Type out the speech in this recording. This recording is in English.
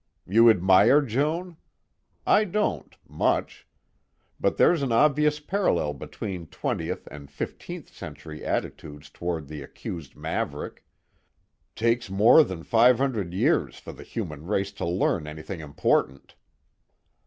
You admire Joan? I don't, much. But there's an obvious parallel between twentieth and fifteenth century attitudes toward the accused maverick. Takes more than five hundred years for the human race to learn anything important."